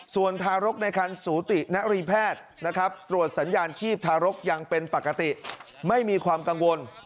ส่วนทารกในคันสูติณรีแพทย์นะครับตรวจสัญญาณชีพทารกยังเป็นปกติไม่มีความกังวล